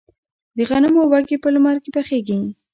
د غنمو وږي په لمر کې پخیږي.